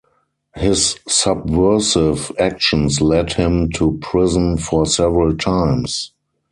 His "subversive" actions lead him to prison for several times.